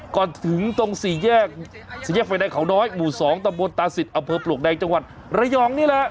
ก่อนถึงตรงสี่แยกสี่แยกไฟแดงเขาน้อยหมู่๒ตำบลตาศิษย์อำเภอปลวกแดงจังหวัดระยองนี่แหละ